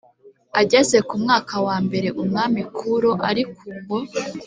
ageza ku mwaka wa mbere Umwami Kūro ari ku ng